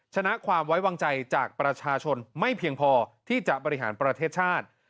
ชนะความไว้วางใจจากประชาชนไม่เพียงพอที่จะบริหารประเทศชาติ